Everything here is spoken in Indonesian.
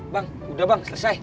bang udah bang selesai